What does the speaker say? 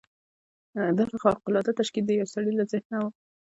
دغه خارق العاده تشکیل د یوه سړي له ذهنه و